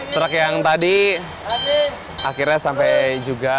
trek yang tadi akhirnya sampai juga